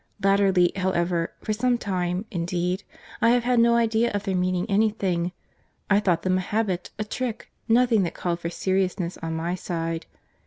Latterly, however—for some time, indeed—I have had no idea of their meaning any thing.—I thought them a habit, a trick, nothing that called for seriousness on my side.